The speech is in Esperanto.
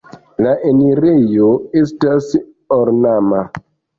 La enirejo estas ornama.